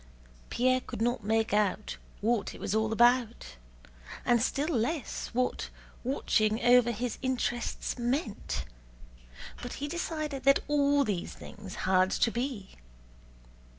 Pierre could not make out what it was all about, and still less what "watching over his interests" meant, but he decided that all these things had to be.